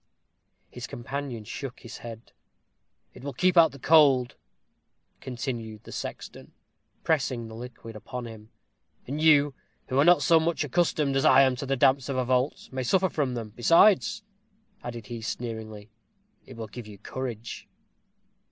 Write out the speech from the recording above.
His companion shook his head. "It will keep out the cold," continued the sexton, pressing the liquid upon him: "and you, who are not so much accustomed as I am to the damps of a vault, may suffer from them. Besides," added he, sneeringly, "it will give you courage."